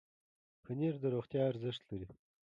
پنېر د روغتیا ارزښت لري.